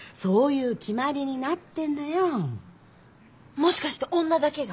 もしかして女だけが？